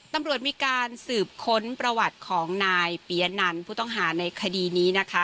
ตำรวจมีการสืบค้นประวัติของนายปียะนันผู้ต้องหาในคดีนี้นะคะ